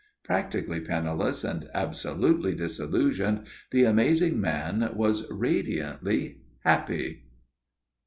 Practically penniless and absolutely disillusioned, the amazing man was radiantly happy.